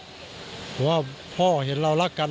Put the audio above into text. ผมว่าพ่อเห็นเรารักกันพ่อเห็นเรารักกัน